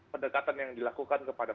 pendekatan yang dilakukan kepada